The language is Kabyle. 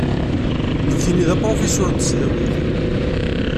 Nekkini d apṛufisur n tesdawit.